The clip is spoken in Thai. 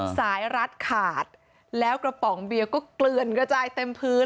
รัดขาดแล้วกระป๋องเบียร์ก็เกลือนกระจายเต็มพื้น